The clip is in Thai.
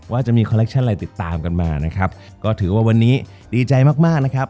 ว่าจะมีคอลเคชั่นอะไรติดตามกันมานะครับก็ถือว่าวันนี้ดีใจมากมากนะครับ